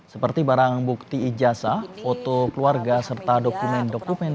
seperti barang bukti ijasa foto keluarga serta dokumen dokumen